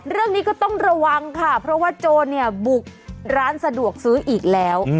เรื่องนี้ก็ต้องระวังค่ะเพราะว่าโจรเนี่ยบุกร้านสะดวกซื้ออีกแล้ว